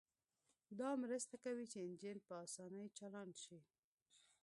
دا مرسته کوي چې انجن په اسانۍ چالان شي